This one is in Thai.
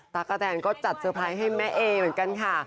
กะแทนก็จัดเตอร์ไพรส์ให้แม่เอเหมือนกันค่ะ